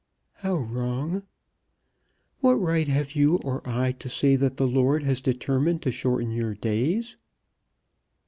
"How wrong?" "What right have you or I to say that the Lord has determined to shorten your days."